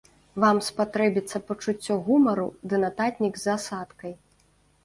Вам спатрэбіцца пачуццё гумару ды нататнік з асадкай!